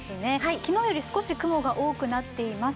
昨日より少し雲が多くなっています。